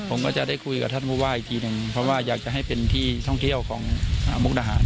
ผมก็จะได้คุยกับท่านผู้ว่าอีกทีหนึ่งเพราะว่าอยากจะให้เป็นที่ท่องเที่ยวของมุกดาหาร